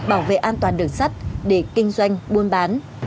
bảo vệ an toàn đường sắt để kinh doanh buôn bán